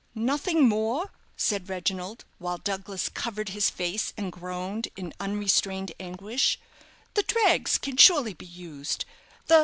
"Nothing more?" said Reginald, while Douglas covered his face, and groaned in unrestrained anguish; "the drags can surely be used?